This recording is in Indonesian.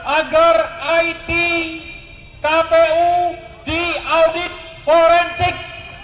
agar itkpu diaudit forensik